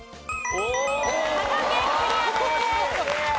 佐賀県クリアです。